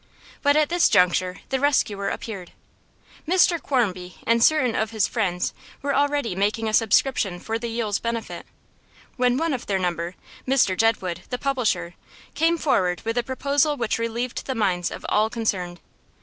But at this juncture the rescuer appeared. Mr Quarmby and certain of his friends were already making a subscription for the Yules' benefit, when one of their number Mr Jedwood, the publisher came forward with a proposal which relieved the minds of all concerned.